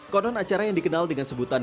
konon acara yang dikenal dengan sebutan